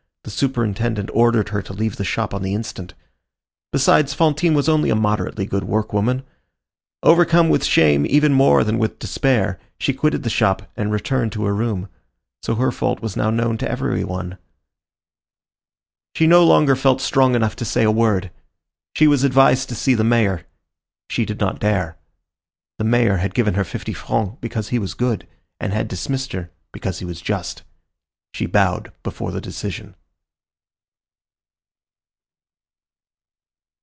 The superintendent ordered her to leave the shop on the instant. Besides, Fantine was only a moderately good workwoman. Overcome with shame, even more than with despair, she quitted the shop, and returned to her room. So her fault was now known to every one. She no longer felt strong enough to say a word. She was advised to see the mayor; she did not dare. The mayor had given her fifty francs because he was good, and had dismissed her because he was just. She bowed before the decision.